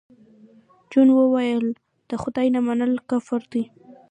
جون وویل د خدای نه منل کفر دی